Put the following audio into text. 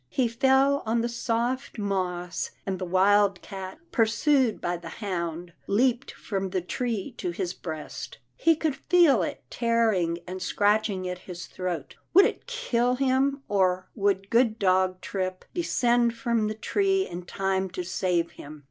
He fell on the soft moss, and the wildcat, pursued by the hound, leaped from the tree to his breast. He could feel it tearing and scratching at his throat. Would it kill him, or would good dog Trip descend from the tree in time to save him?